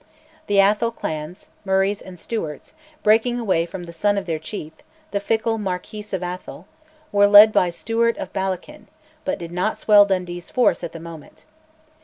The Atholl clans, Murrays and Stewarts, breaking away from the son of their chief, the fickle Marquis of Atholl, were led by Stewart of Ballechin, but did not swell Dundee's force at the moment.